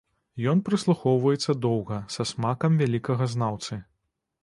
Ён прыслухоўваецца доўга са смакам вялікага знаўцы.